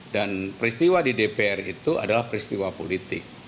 dan peristiwa di dpr itu adalah peristiwa politik